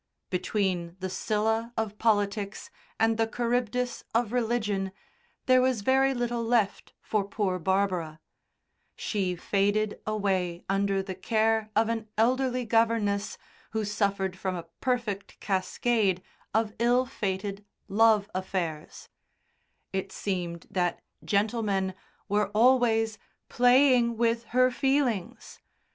Between the Scylla of politics and the Charybdis of religion there was very little left for poor Barbara; she faded away under the care of an elderly governess who suffered from a perfect cascade of ill fated love affairs; it seemed that gentlemen were always "playing with her feelings."